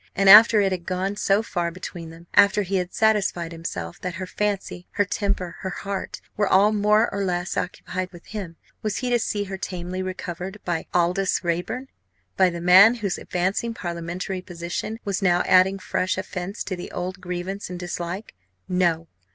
And after it had gone so far between them after he had satisfied himself that her fancy, her temper, her heart, were all more or less occupied with him was he to see her tamely recovered by Aldous Raeburn by the man whose advancing parliamentary position was now adding fresh offence to the old grievance and dislike? No!